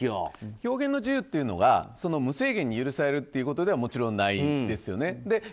表現の自由というのが無制限に許されるということではもちろんないですよね。